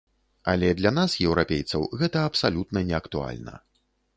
Але для нас, еўрапейцаў, гэта абсалютна неактуальна.